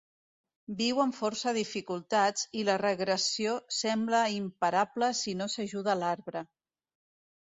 Viu amb força dificultats i la regressió sembla imparable si no s'ajuda l'arbre.